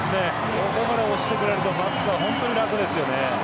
ここまで押してくれるとバックスは本当に楽ですよね。